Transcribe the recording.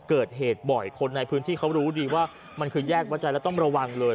เกิดเหตุบ่อยคนในพื้นที่เขารู้ดีว่ามันคือแยกวัดใจแล้วต้องระวังเลย